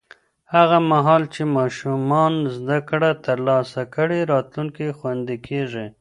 هغه مهال چې ماشومان زده کړه ترلاسه کړي، راتلونکی خوندي کېږي.